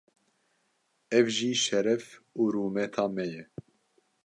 ev jî şeref û rûmeta me ye.